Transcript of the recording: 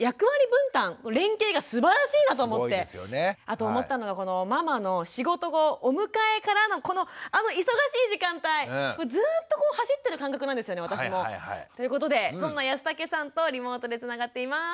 あと思ったのがママの仕事後お迎えからのこのあの忙しい時間帯ずっとこう走ってる感覚なんですよね私も。ということでそんな安武さんとリモートでつながっています。